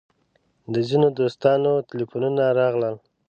د ځینو دوستانو تیلفونونه راغلل.